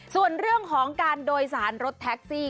ส่วนเรื่องของการโดยสารรถแท็กซี่